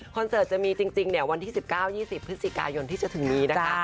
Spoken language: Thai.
เสิร์ตจะมีจริงวันที่๑๙๒๐พฤศจิกายนที่จะถึงนี้นะคะ